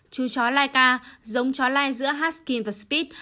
chú chó laika giống chó lai giữa haskin và spit